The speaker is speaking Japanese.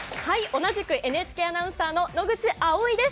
同じくＮＨＫアナウンサーの野口葵衣です。